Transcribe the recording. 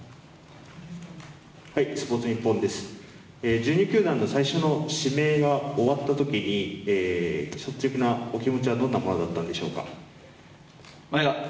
１２球団の最初の指名が終わったときに率直なお気持ちはどんなものだったんでしょうか？